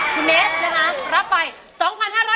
คุณเมสนะคะรับไป๒๕๐๐บาท